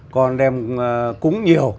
còn đem cúng nhiều